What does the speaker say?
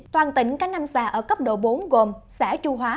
toàn tỉnh các năm xa ở cấp độ bốn gồm xã chu hóa